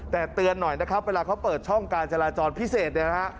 แต่เตือนหน่อยนะครับเวลาเขาเปิดช่องการจราจรพิเศษเนี่ยนะฮะ